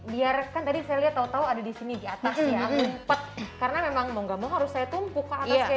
biarkan tadi saya lihat tau tau ada di sini di atas ya ngumpet karena memang mau gak mau harus saya tumpuk ke atasnya